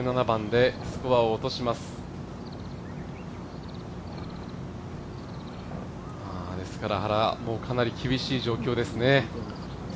ですから原、かなり厳しい状況ですね。